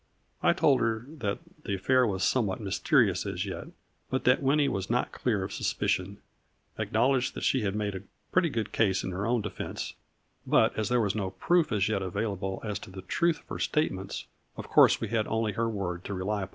I told her that the affair was somewhat mysterious as yet, but that Winnie was not clear of suspicion ; acknowledged that she had made a pretty good case in her own de fense, but, as there was no proof as yet available as to the truth of her statements, of course we had only her word to rely upon.